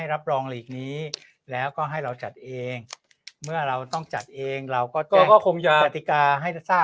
รับรองหลีกนี้แล้วก็ให้เราจัดเองเมื่อเราต้องจัดเองเราก็คงจะกติกาให้จะทราบ